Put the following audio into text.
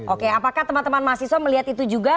oke apakah teman teman mahasiswa melihat itu juga